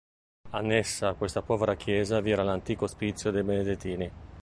Annessa a questa povera chiesa vi era l'antico ospizio dei Benedettini.